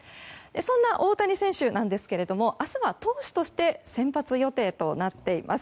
そんな大谷選手なんですけども明日は投手として先発予定となっています。